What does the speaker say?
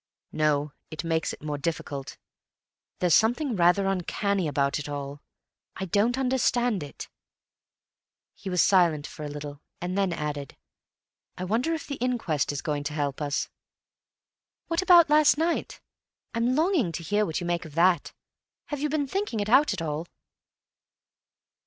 "No. It makes it more difficult. There's something rather uncanny about it all. I don't understand it." He was silent for a little, and then added, "I wonder if the inquest is going to help us. "What about last night? I'm longing to hear what you make of that. Have you been thinking it out at all?"